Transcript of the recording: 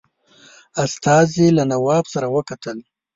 استازي له نواب سره وکتل.